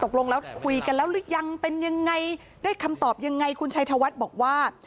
ตกลงแล้วคุยกันแล้วหรือยังเป็นยังไงได้คำตอบยังไงคุณชัยธวัฒน์บอกว่า